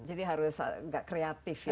jadi harus agak kreatif ya